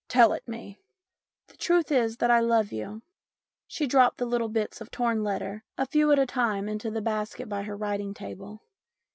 "Tell it me." "The truth is that I love you." She dropped the little bits of torn letter a few at a time into the basket by her writing table.